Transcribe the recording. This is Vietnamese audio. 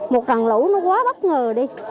một rằn lũ nó quá bất ngờ đi